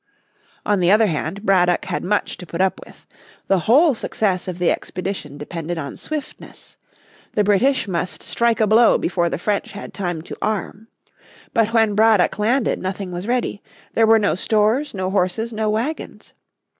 On the other hand Braddock had much to put up with. The whole success of the expedition depended on swiftness. The British must strike a blow before the French had time to arm. But when Braddock landed nothing was ready; there were no stores, no horses, no wagons.